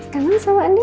kangen sama andi